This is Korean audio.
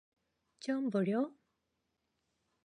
총 버려!